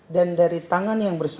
dan dari tangan yang bersihnya